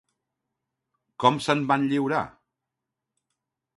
Com se'n van lliurar?